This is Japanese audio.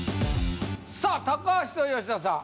さあ高橋と吉田さん。